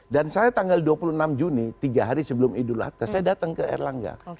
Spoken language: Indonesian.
dan saya tanggal dua puluh enam juni tiga hari sebelum idul hatta saya datang ke erlangga